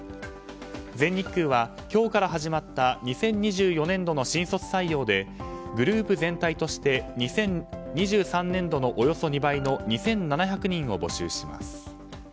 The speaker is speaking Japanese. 全日空は今日から始まった２０２４年度の新卒採用でグループ全体として２０２３年度のおよそ２倍の２７００人を募集します。